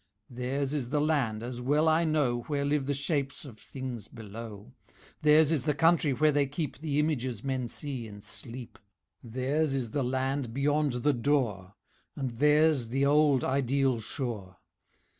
"Theirs is the land (as well I know) Where live the Shapes of Things Below: Theirs is the country where they keep The Images men see in Sleep. "Theirs is the Land beyond the Door, And theirs the old ideal shore.